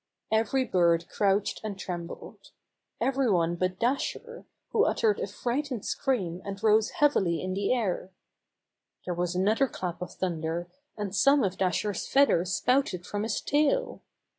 Every bird crouched and trembled — every one but Dasher, v^ho uttered a frightened scream and rose heavily in the air. There was another clap of thunder, and some of Dasher's feathers spouted from his tail.